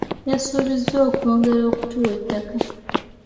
Yasuubizza okwongera okutuwa ettaka.